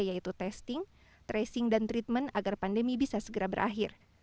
yaitu testing tracing dan treatment agar pandemi bisa segera berakhir